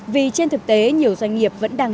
vì trên thực tế nhiều doanh nghiệp vẫn đang